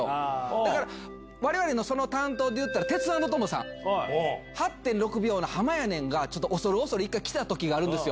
だから、われわれのその担当でいったら、テツａｎｄトモさん、８．６秒のはまやねんが、ちょっと恐る恐る、一回来たときがあるんですよ。